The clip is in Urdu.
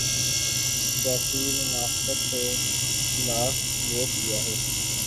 سیاسی منافقت کے خلاف ووٹ دیا ہے۔